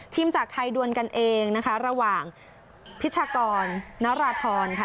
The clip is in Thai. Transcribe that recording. จากไทยดวนกันเองนะคะระหว่างพิชากรนราธรค่ะ